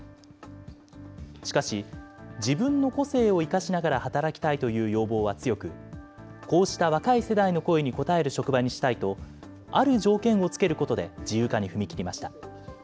しかし、自分の個性を生かしながら働きたいという要望は強く、こうした若い世代の声に応える職場にしたいと、ある条件をつけることで自由化に踏み切りました。